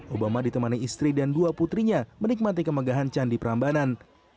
obama ditemani istri dan dua putrinya menikmati kemegahan candi prambanan